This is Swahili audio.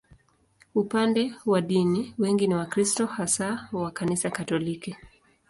Upande wa dini, wengi ni Wakristo, hasa wa Kanisa Katoliki.